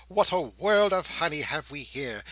What a world of honey have we here.